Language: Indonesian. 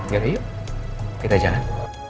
yaudah yuk kita jalan